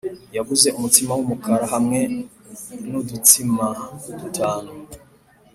yaguze umutsima wumukara hamwe nudutsima dutanu.